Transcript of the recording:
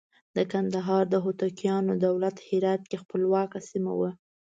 د کندهار د هوتکیانو دولت هرات کې خپلواکه سیمه وه.